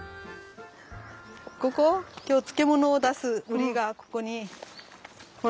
ここ今日漬物を出す瓜がここにほら。